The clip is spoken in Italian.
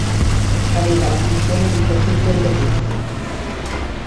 Aveva la funzione di proteggere le messi.